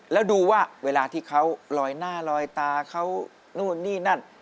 แล้วดูว่าเวลาที่เขาลอยหน้าลอยตาเขานู่นนี่นั่น